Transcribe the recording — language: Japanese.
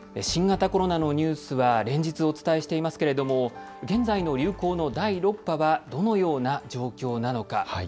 新型コロナのニュースは連日お伝えしていますけれども現在の流行の第６波はどのような状況なのか。